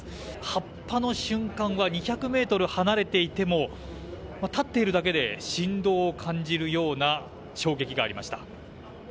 発破の瞬間は２００ｍ離れていても立っているだけで、振動を感じるような衝撃がありました。